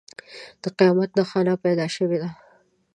د قیامت نښانه پیدا شوې ده.